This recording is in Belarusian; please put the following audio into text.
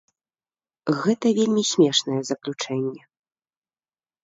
Гэта вельмі смешнае заключэнне.